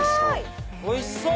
おいしそう！